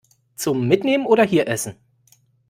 Zum Mitnehmen oder hier essen?